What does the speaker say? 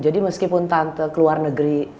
jadi meskipun tante keluar negeri